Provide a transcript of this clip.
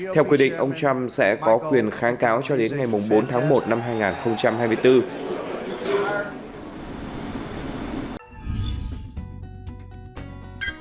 theo quy định ông trump sẽ có quyền kháng cáo cho đến ngày bốn tháng một năm hai nghìn hai mươi bốn